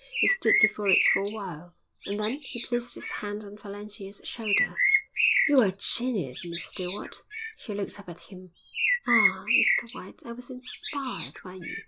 He stood before it for a while, and then he placed his hand on Valentia's shoulder. 'You are a genius, Miss Stewart.' She looked up at him. 'Ah, Mr White, I was inspired by you.